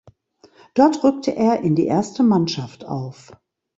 Dort rückte er in die erste Mannschaft auf.